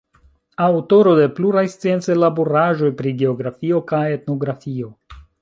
Aŭtoro de pluraj sciencaj laboraĵoj pri geografio kaj etnografio.